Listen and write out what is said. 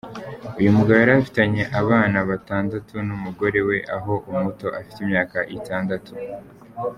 Uyu mugabo yari afitanye abana batandatu n’umugore we aho umuto afite imyaka itandatu.